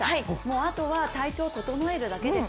あとは体調を整えるだけです。